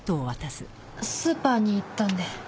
スーパーに行ったんで。